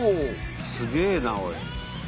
すげえなおい。